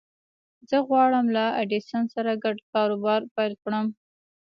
زه غواړم له ايډېسن سره ګډ کاروبار پيل کړم.